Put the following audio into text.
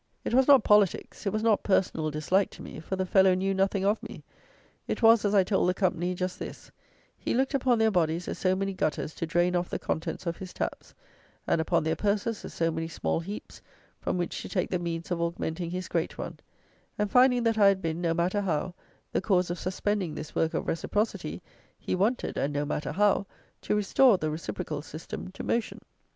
It was not politics; it was not personal dislike to me; for the fellow knew nothing of me. It was, as I told the company, just this: he looked upon their bodies as so many gutters to drain off the contents of his taps, and upon their purses as so many small heaps from which to take the means of augmenting his great one; and, finding that I had been, no matter how, the cause of suspending this work of "reciprocity," he wanted, and no matter how, to restore the reciprocal system to motion.